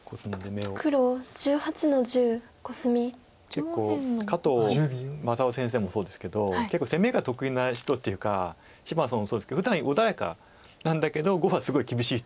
結構加藤正夫先生もそうですけど結構攻めが得意な人っていうか芝野さんもそうですけどふだん穏やかなんだけど碁はすごい厳しい人っていますよね。